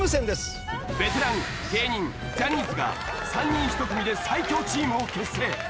ベテラン芸人ジャニーズが３人１組で最強チームを結成